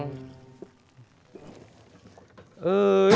udah dikasih uang